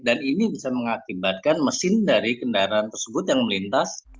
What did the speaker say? dan ini bisa mengakibatkan mesin dari kendaraan tersebut yang melintas